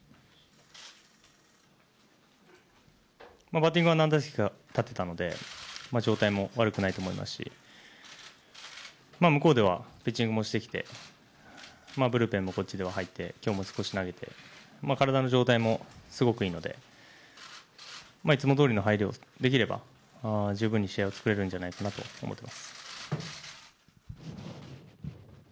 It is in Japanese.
バッティングは何打席か立っていたので状態も悪くないと思いますし、向こうではピッチングもしてきてブルペンもこっちでは入って今日も少し投げて体の状態もすごくいいのでいつもどおりの配慮をできれば十分に試合を作れるんじゃないかなと思っています。